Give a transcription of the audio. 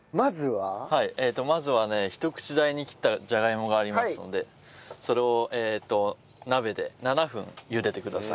はいまずはね一口大に切ったじゃがいもがありますのでそれを鍋で７分茹でてください。